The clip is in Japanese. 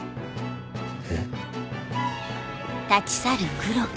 えっ。